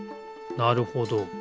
なるほど。